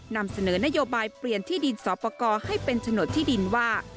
นำเสนอนโยบายเปลี่ยนที่ดินสอปกรให้เป็นโฉนดที่ดินว่า